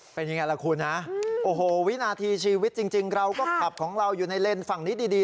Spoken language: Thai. เป็นยังไงล่ะคุณนะโอ้โหวินาทีชีวิตจริงเราก็ขับของเราอยู่ในเลนส์ฝั่งนี้ดี